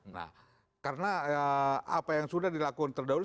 nah karena apa yang sudah dilakukan terdahulu